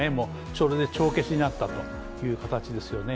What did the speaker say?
それで帳消しになったという形ですよね。